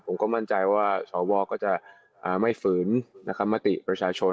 ผมก็มั่นใจว่าสวก็จะไม่ฝืนมติประชาชน